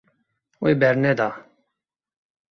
Wê berneda.